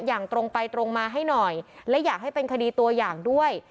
อย่างตรงไปตรงมาให้หน่อยและอยากให้เป็นคดีตัวอย่างด้วย